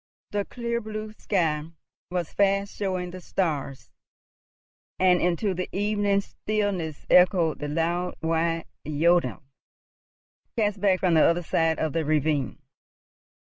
The clear blue sky was fast showing the stars, and into the evening stillness echoed the loud wide jodeln, cast back from the other side of the ravine.